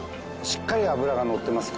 しっかり脂がのってます